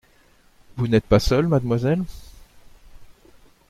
Vous n’êtes pas seule, Mademoiselle ?